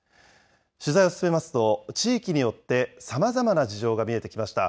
取材を進めますと、地域によってさまざまな事情が見えてきました。